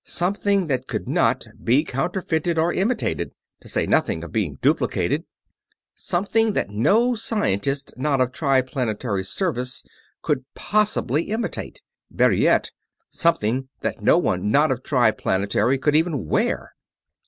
something that could not be counterfeited or imitated, to say nothing of being duplicated ... something that no scientist not of Triplanetary Service could possibly imitate ... better yet, something that no one not of Triplanetary could even wear....